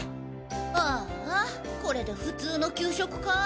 あぁこれで普通の給食か。